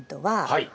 はい。